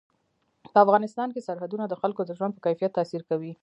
په افغانستان کې سرحدونه د خلکو د ژوند په کیفیت تاثیر کوي.